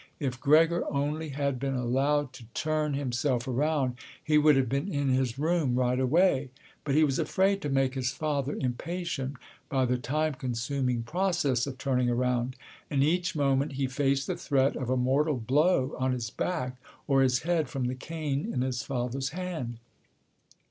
If Gregor only had been allowed to turn himself around, he would have been in his room right away, but he was afraid to make his father impatient by the time consuming process of turning around, and each moment he faced the threat of a mortal blow on his back or his head from the cane in his father's hand.